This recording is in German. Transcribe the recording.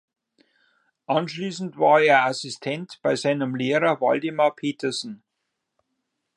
Anschließend war er Assistent bei seinem Lehrer Waldemar Petersen.